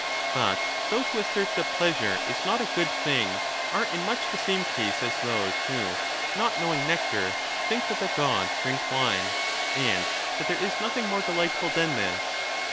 But those who assert that pleasure is not a good thing are in much the same case as those who, not knowing nectar, think that the gods drink wine, and that there is 15 nothing more delightful than this.